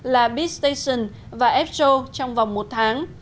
là bitstation và eptro trong vòng một tháng